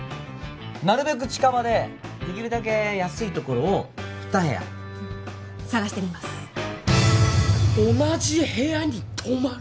なるべく近場でできるだけ安いところを２部屋探してみます同じ部屋に泊まる？